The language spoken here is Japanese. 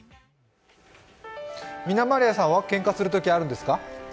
みなまりあさんはけんかするときあるんですか？